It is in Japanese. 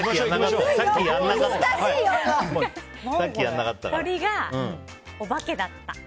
鳥がお化けだった。